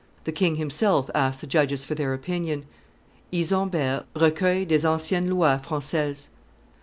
The king himself asked the judges for their opinion. [Isambert, Recueil des anciennes Lois Francaises, t.